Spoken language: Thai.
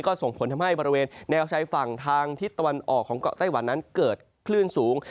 ก็ส่งผลทำให้บริเวณแนวชายฝั่งทางทิศตะวันออกของเกาะไต้วันนั้นเกิดคลื่นสูง